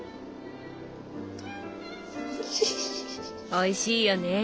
おいしいよね。